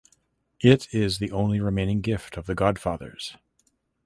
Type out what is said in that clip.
It is the only remaining gift of the godfathers.